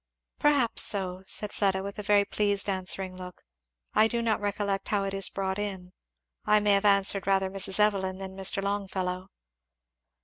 "Perhaps so," said Fleda with a very pleased answering look, "I do not recollect how it is brought in I may have answered rather Mrs. Evelyn than Mr. Longfellow."